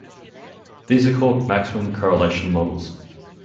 These are called maximum correlation models.